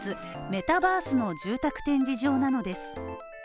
メタバースの住宅展示場なのです。